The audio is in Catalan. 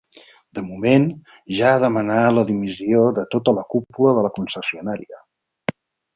De moment, ja ha demanat la dimissió de tota la cúpula de la concessionària.